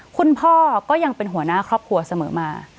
คุณพ่อก็ยังเป็นหัวหน้าครอบครัวเสมอมา